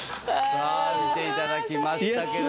さあ見ていただきましたけれど。